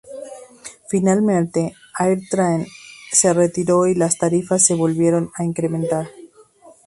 Finalmente, AirTran se retiró y las tarifas se volvieron a incrementar.